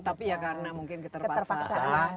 tapi ya karena mungkin keterbatasan